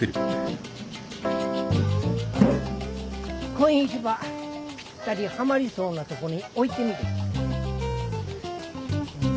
こん石ばぴったりはまりそうなとこに置いてみれ。